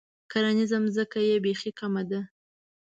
کرنیزه ځمکه یې بیخي کمه ده.